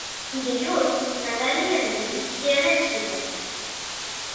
Dilluns na Dàlia i en Guim iran a Xiva.